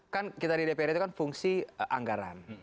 kan kita di dpr itu kan fungsi anggaran